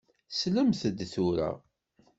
Slemt-d tura!